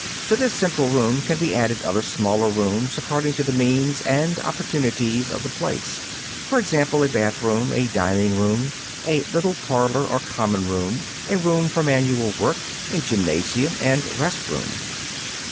To this central room can be added other smaller rooms according to the means and opportunities of the place: for example, a bathroom, a dining room, a little parlor or common room, a room for manual work, a gymnasium and rest room.